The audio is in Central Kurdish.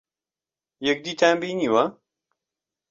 یەکدیتان بینیوە؟